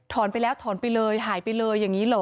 ไปแล้วถอนไปเลยหายไปเลยอย่างนี้เหรอ